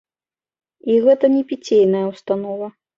І гэта не піцейная ўстанова.